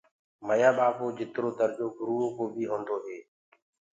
ميآ ٻآپآ جِترو درجو گُروئو ڪو بي هوندو هي،